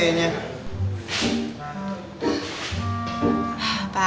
biasanya lu kayak terong sama cabenya